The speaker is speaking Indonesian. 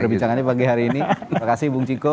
perbincangannya pagi hari ini terima kasih bung ciko